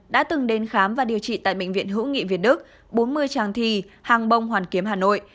đã từng đến khám và điều trị tại bệnh viện hữu nghị việt đức bốn mươi tràng thi hàng bông hoàn kiếm hà nội